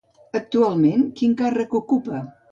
Actualment, quin càrrec ocupa?